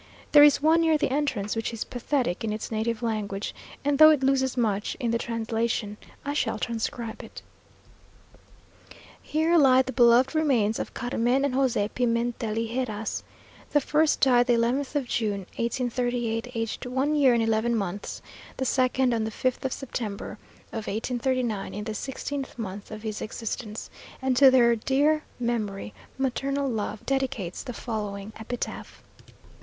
There is one near the entrance, which is pathetic in its native language, and though it loses much in the translation, I shall transcribe it: "Here lie the beloved remains of Carmen and José Pimentel y Heras. The first died the 11th of June, 1838, aged one year and eleven months; the second on the 5th of September of 1839, in the sixteenth month of his existence; and to their dear memory maternal love dedicates the following: "EPITAPH.